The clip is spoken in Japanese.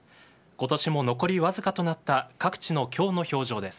今年も残りわずかとなった各地の今日の表情です。